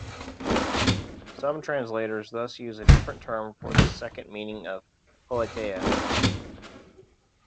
Some translators thus use a different term for this second meaning of "politeia".